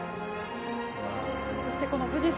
そして、この富士山